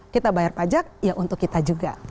kita bayar pajak ya untuk kita juga